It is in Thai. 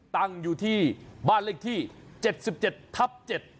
ตั้งอยู่ที่บ้านเลขที่๗๗ทับ๗